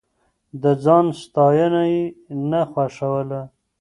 د ځان ستاينه يې نه خوښوله.